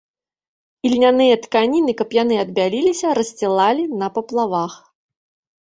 Ільняныя тканіны, каб яны адбяліліся, рассцілалі на паплавах.